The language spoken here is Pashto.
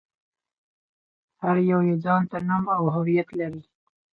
هر يو يې ځان ته نوم او هويت لري.